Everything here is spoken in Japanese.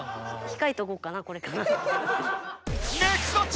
ひかえとこうかなこれから。